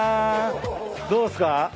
どうっすか？